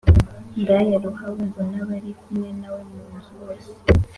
ndaya Rahabu g n abari kumwe na we mu nzu bose